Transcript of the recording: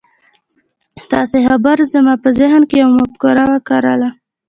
ستاسې خبرو زما په ذهن کې يوه مفکوره وکرله.